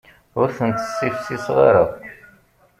Ur tent-ssifsiseɣ.